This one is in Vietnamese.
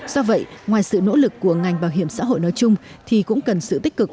do vậy ngoài sự nỗ lực của ngành bảo hiểm xã hội nói chung thì cũng cần sự tích cực